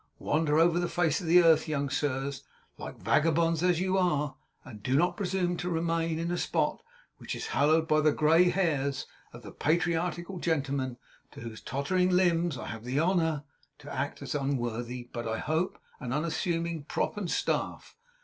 Wander over the face of the earth, young sirs, like vagabonds as you are, and do not presume to remain in a spot which is hallowed by the grey hairs of the patriarchal gentleman to whose tottering limbs I have the honour to act as an unworthy, but I hope an unassuming, prop and staff.